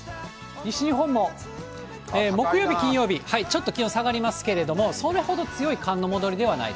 西日本も木曜日、金曜日、ちょっと気温下がりますけれども、それほど強い寒の戻りではない。